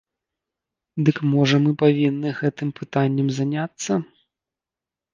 Дык можа мы павінны гэтым пытаннем заняцца?